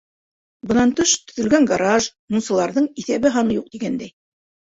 Бынан тыш, төҙөлгән гараж, мунсаларҙың иҫәбе-һаны юҡ тигәндәй.